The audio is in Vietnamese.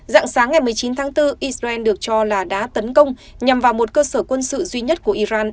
dạng sáng ngày một mươi chín tháng bốn israel được cho là đã tấn công nhằm vào một cơ sở quân sự duy nhất của iran